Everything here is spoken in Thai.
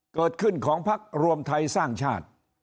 เกิดขึ้นของพักรวมไทยสร้างชาติ